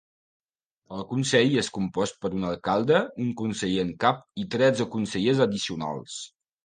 El consell és compost per un alcalde, un conseller en cap i tretze consellers addicionals.